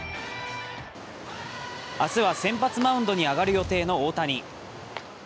明日は、先発マウンドに上がる予定の大谷。